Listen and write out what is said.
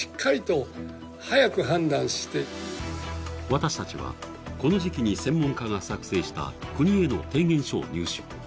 私たちは、この時期に専門家が作成した国への提言書を入手。